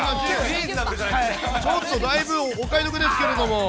ちょっとだいぶお買い得ですけれども。